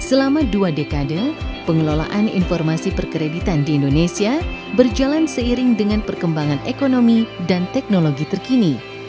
selama dua dekade pengelolaan informasi perkreditan di indonesia berjalan seiring dengan perkembangan ekonomi dan teknologi terkini